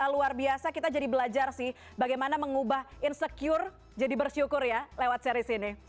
luar biasa kita jadi belajar sih bagaimana mengubah insecure jadi bersyukur ya lewat seri sini